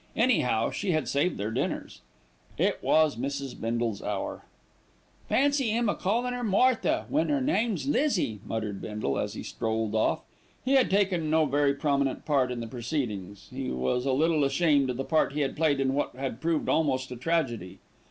Anyhow, she had saved their dinners. It was Mrs. Bindle's hour. "Fancy 'im a callin' 'er Martha, when 'er name's Lizzie," muttered Bindle, as he strolled off. He had taken no very prominent part in the proceedings he was a little ashamed of the part he had played in what had proved almost a tragedy.